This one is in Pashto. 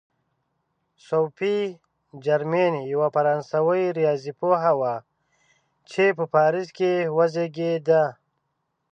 صوفي جرمین یوه فرانسوي ریاضي پوهه وه چې په پاریس کې وزېږېده.